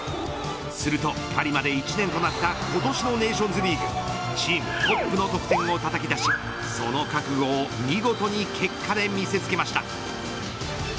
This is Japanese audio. すると、パリまで１年となった今年のネーションズリーグチームトップの得点をたたき出しその覚悟を見事に結果で見せつけました。